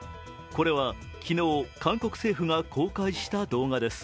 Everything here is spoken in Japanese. これは昨日韓国政府が公開した動画です。